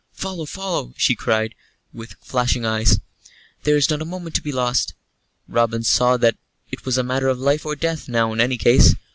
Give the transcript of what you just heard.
"Follow, follow!" she cried, with flashing eyes; "there is not a moment to be lost." Robin saw that it was a matter of life or death now in any case.